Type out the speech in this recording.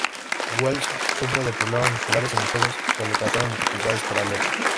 Welsh sufre de problemas musculares en los ojos que le causaron dificultades para leer.